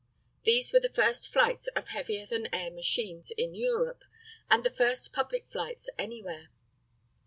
These were the first flights of heavier than air machines in Europe, and the first public flights anywhere.